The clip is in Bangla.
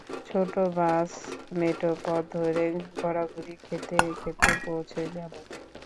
ছোট বাস, মেঠো পথ ধরে গড়াগড়ি খেতে খেতে পৌঁছে যাবো।